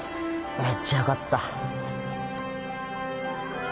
めっちゃよかった。